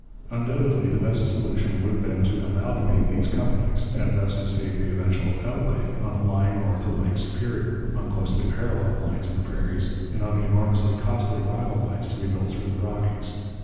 Undoubtedly the best solution would have been to amalgamate these companies, and thus to save the eventual outlay on a line north of Lake Superior, on closely parallel lines in the prairies, and on the enormously costly rival lines to be built through the Rockies.